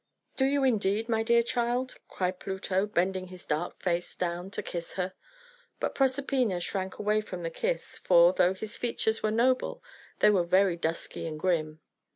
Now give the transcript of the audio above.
"Do you, indeed, my dear child?" cried Pluto, bending his dark face down to kiss her; but Proserpina shrank away from the kiss, for though his features were noble, they were very dusky and grim.